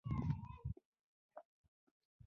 اخیستل شوې نمونې د مایکروبیولوژي لپاره توپیر لري.